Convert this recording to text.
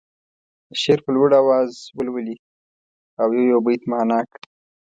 شعر په لوړ اواز ولولي او یو یو بیت معنا کړي.